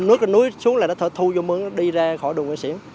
núi cái núi xuống là nó thở thu vô mưa nó đi ra khỏi đường ngoài xỉn